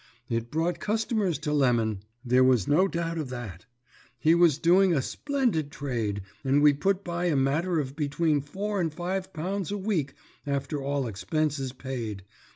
It brought customers to Lemon, there was no doubt of that; he was doing a splendid trade, and we put by a matter of between four and five pounds a week after all expenses paid.